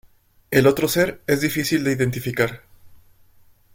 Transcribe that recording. El otro ser, es difícil de identificar.